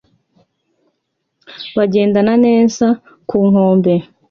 bagenda neza ku nkombe